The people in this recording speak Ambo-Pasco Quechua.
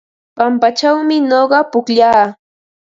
Pampachawmi nuqa pukllaa.